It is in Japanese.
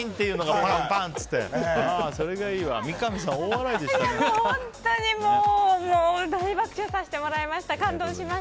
本当に大爆笑させてもらいました。